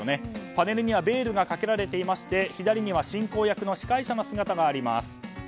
パネルにはベールがかけられていまして左には進行役の司会者の姿もあります。